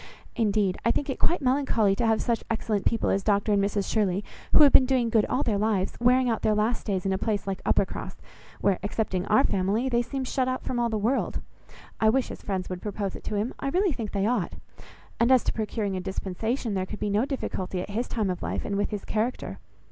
Indeed I think it quite melancholy to have such excellent people as Dr and Mrs Shirley, who have been doing good all their lives, wearing out their last days in a place like Uppercross, where, excepting our family, they seem shut out from all the world. I wish his friends would propose it to him. I really think they ought. And, as to procuring a dispensation, there could be no difficulty at his time of life, and with his character.